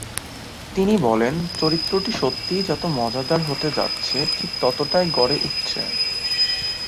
তিনি বলেন "চরিত্রটি সত্যিই যতই মজাদার হতে যাচ্ছে ঠিক ততটাই গড়ে উঠছে"।